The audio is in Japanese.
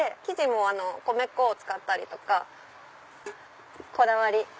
生地も米粉を使ったりとかこだわり。